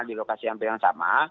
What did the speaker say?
di lokasi hampir yang sama